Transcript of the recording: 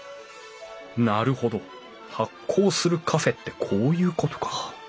なるほど発酵するカフェってこういうことか。